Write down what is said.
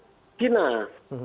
jadi kita beli di e katalog